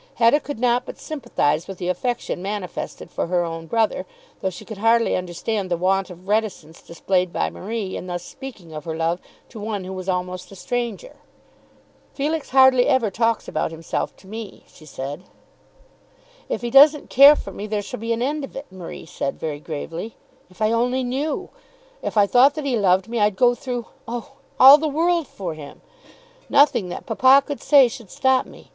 Hetta could not but sympathize with the affection manifested for her own brother, though she could hardly understand the want of reticence displayed by Marie in thus speaking of her love to one who was almost a stranger. "Felix hardly ever talks about himself to me," she said. "If he doesn't care for me, there shall be an end of it," Marie said very gravely. "If I only knew! If I thought that he loved me, I'd go through, oh, all the world for him. Nothing that papa could say should stop me.